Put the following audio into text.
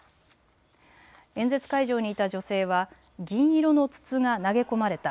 演説会場にいた女性は銀色の筒が投げ込まれた。